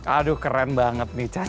aduh keren banget nih caca